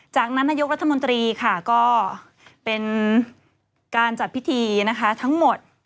จากนั้นนายกรัฐมนตรีค่ะก็เป็นการจัดพิธีนะคะทั้งหมด